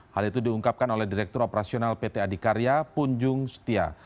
hal itu diungkapkan oleh direktur operasional pt adikarya punjung setia